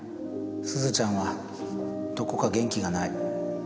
すずちゃんはどこか元気がない。